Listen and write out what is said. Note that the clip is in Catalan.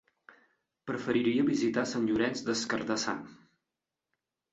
Preferiria visitar Sant Llorenç des Cardassar.